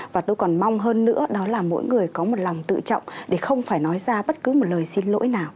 và tôi còn mong hơn nữa đó là mỗi người có một lòng tự trọng để không phải nói ra bất cứ một lời xin lỗi nào